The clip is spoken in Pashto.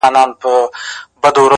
کله زيات او کله کم درپسې ژاړم!!